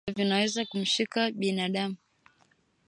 hivyo vinaweza kumshika binadamu